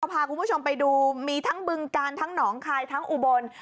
พาคุณผู้ชมไปดูมีทั้งบึงกาลทั้งหนองคายทั้งอุบล